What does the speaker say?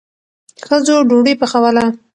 ښځو ډوډۍ پخوله.